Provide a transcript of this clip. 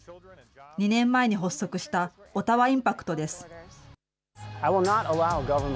２年前に発足したオタワ・インパクトです。